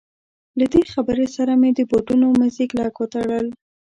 له دې خبرې سره مې د بوټونو مزي کلک وتړل.